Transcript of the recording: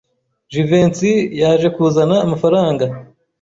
Jivency yaje kuzana amafaranga.